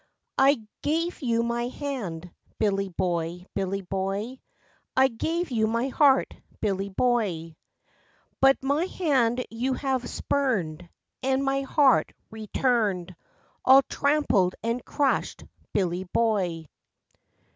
I gave you my hand, Billy boy, Billy boy, I gave you my heart Billy boy. But my hand you have spurned. And my heart returned All trampled and crushed Billy boy.